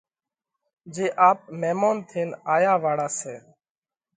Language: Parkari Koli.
جي آپ ميمونَ ٿينَ آيا واۯا سئہ۔